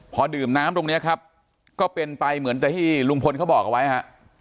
พอดื่มน้ำตรงนี้ครับก็เป็นไปเหมือนแต่ที่ลุงพลเขาบอกเอาไว้ฮะ